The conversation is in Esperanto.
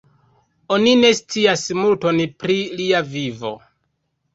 Oni ne scias multon pri lia vivo.